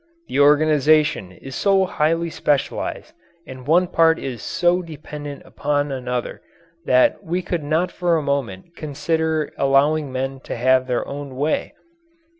The organization is so highly specialized and one part is so dependent upon another that we could not for a moment consider allowing men to have their own way.